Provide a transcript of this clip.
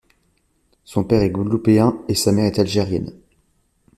Son père est Guadeloupéen et sa mère est algérienne.